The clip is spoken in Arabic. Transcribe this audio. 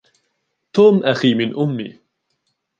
توم أخي من أمّي.